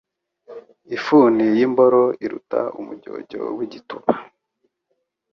Ifuni y’imboro iruta umujyojyo w’igituba